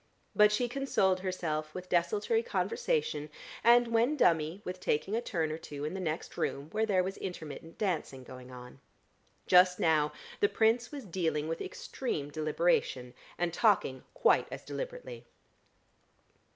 But she consoled herself with desultory conversation and when dummy with taking a turn or two in the next room where there was intermittent dancing going on. Just now, the Prince was dealing with extreme deliberation, and talking quite as deliberately.